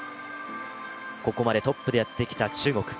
ここまでトップでやってきた中国。